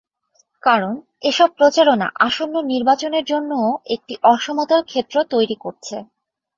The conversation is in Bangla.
কারণ, এসব প্রচারণা আসন্ন নির্বাচনের জন্যও একটি অসমতল ক্ষেত্র তৈরি করছে।